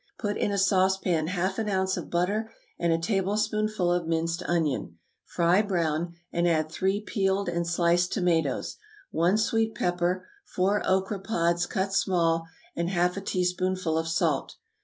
Put in a saucepan half an ounce of butter and a tablespoonful of minced onion; fry brown, and add three peeled and sliced tomatoes, one sweet pepper, four okra pods cut small, and half a teaspoonful of salt.